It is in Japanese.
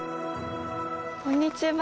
こんにちは。